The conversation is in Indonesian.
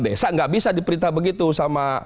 desa nggak bisa diperintah begitu sama